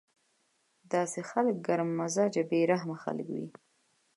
داسې خلک ګرم مزاجه بې رحمه خلک وي